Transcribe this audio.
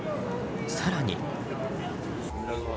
更に。